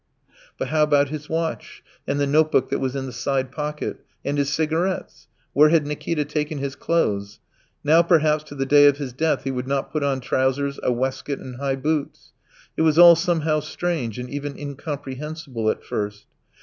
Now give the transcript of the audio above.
But how about his watch? And the notebook that was in the side pocket? And his cigarettes? Where had Nikita taken his clothes? Now perhaps to the day of his death he would not put on trousers, a waistcoat, and high boots. It was all somehow strange and even incomprehensible at first.